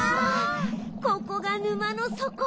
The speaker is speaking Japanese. ここが沼のそこ？